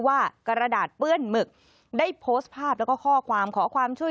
กระดาษเปื้อนหมึกได้โพสต์ภาพแล้วก็ข้อความขอความช่วย